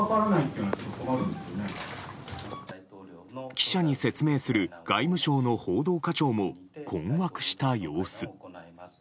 記者に説明する外務省の報道課長も困惑した様子。